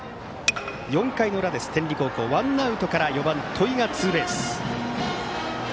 ４回の裏、天理高校ワンアウトから４番、戸井がツーベース。